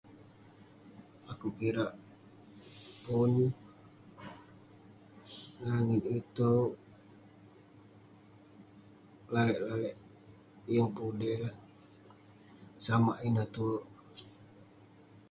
Akouk kirak pun langit itouk lalek lalek yeng pun udey neh. Samak ineh tue